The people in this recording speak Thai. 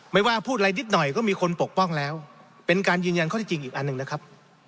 ไม่ว่าพูดอะไรนิดหน่อยก็มีคนปกป้องแล้วเป็นการยืนยันข้อที่จริงอีกอันหนึ่งนะครับ